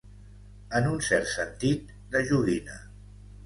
En un cert sentit, de joguina.